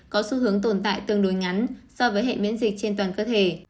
có xu hướng tồn tại tương đối ngắn so với hệ miễn dịch trên toàn cơ thể